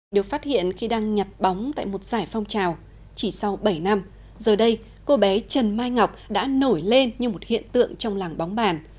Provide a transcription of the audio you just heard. được phát hiện khi đang nhặt bóng tại một giải phong trào chỉ sau bảy năm giờ đây cô bé trần mai ngọc đã nổi lên như một hiện tượng trong làng bóng bàn